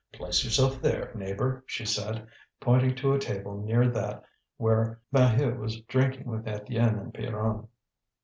"Place yourself there, neighbour," she said, pointing to a table near that where Maheu was drinking with Étienne and Pierron.